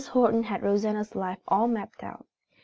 Horton had Rosanna's life all mapped out.